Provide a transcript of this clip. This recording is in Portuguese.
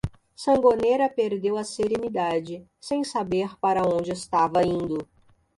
Sangonera perdeu a serenidade, sem saber para onde estava indo.